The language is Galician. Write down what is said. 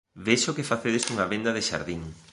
Vexo que facedes unha venda de xardín.